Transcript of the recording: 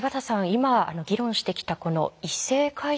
今議論してきたこの異性介助の問題